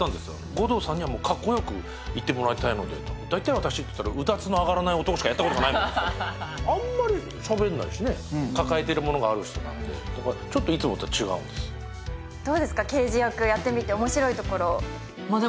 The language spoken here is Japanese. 護道さんにはかっこよくいってもらいたいのでと大体私といったらうだつの上がらない男しかやったことがないもんですからあんまりしゃべんないしね抱えてるものがある人なんでだからちょっといつもと違うんですでもホントにははははは！